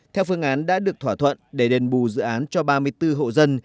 theo phương án đã được thỏa thuận để đền bù dự án cho ba mươi bốn hộ dân